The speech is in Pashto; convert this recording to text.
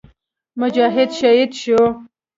مجاهد شهید شو.